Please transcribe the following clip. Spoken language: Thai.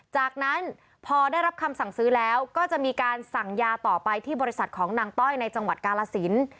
จากนั้นพอได้รับคำสั่งซื้อแล้วก็จะมีการสั่งยาต่อไปที่บริษัทของนางต้อยในจังหวัดกาลสิน